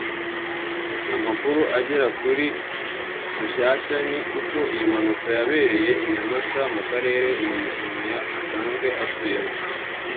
Amakuru agera kuri Rushyashya ni uko iyi mpanuka yabereye i Nyamata mu Karere uyu mukinnyi asanzwe atuyemo